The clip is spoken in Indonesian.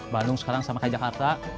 bandung sekarang sama kayak jakarta